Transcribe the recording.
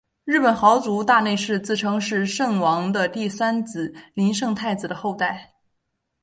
日本豪族大内氏自称是圣王的第三子琳圣太子的后代。